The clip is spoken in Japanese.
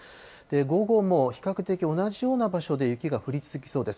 午後も比較的同じような場所で雪が降り続きそうです。